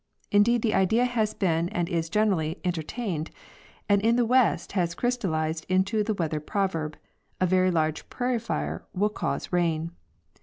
Indeed the idea has been and is generally entertained and in the west has ecrystal lized into the weather proverb, "A very large prairie fire will cause rain."